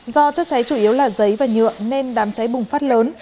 do chất cháy chủ yếu là giấy và nhựa nên đám cháy bùng phát lớn